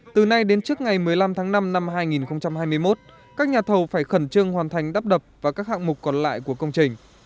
từ nay đến trước ngày một mươi năm tháng năm năm hai nghìn hai mươi một các nhà thầu phải khẩn trương hoàn thành đắp đập và các hạng mục còn lại của công trình